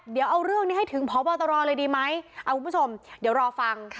เดี๋ยวเอาเรื่องนี้ให้ถึงพบตรเลยดีไหมเอาคุณผู้ชมเดี๋ยวรอฟัง